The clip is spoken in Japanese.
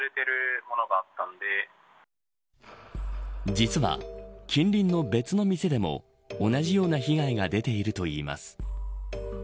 実は、近隣の別の店でも同じような被害が出ているといいます。